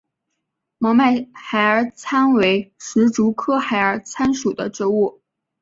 毛脉孩儿参为石竹科孩儿参属的植物。